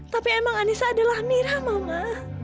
tapi emang anissa adalah mira mama